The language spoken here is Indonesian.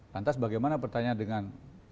lantas bagaimana pertanyaan dengan